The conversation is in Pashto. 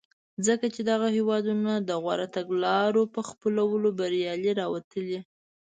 ځکه چې دغه هېوادونه د غوره تګلارو په خپلولو بریالي راوتلي.